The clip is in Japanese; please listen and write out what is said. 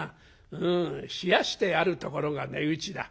うん冷やしてあるところが値打ちだ。